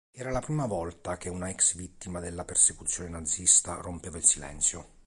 Era la prima volta che una ex vittima della persecuzione nazista rompeva il silenzio.